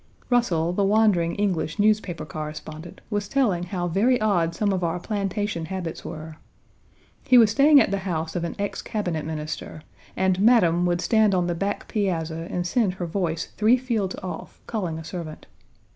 Russell, the wandering English newspaper correspondent, was telling how very odd some of our plantation habits were. He was staying at the house of an ex Cabinet Minister, and Madame would stand on the back piazza and send her voice three fields off, calling a servant.